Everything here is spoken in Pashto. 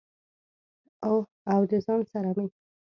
او د ځان سره مې